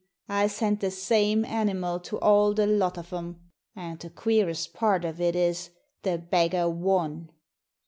I sent the same animal to all the lot of 'em; and the queerest part of it is, the beggar won!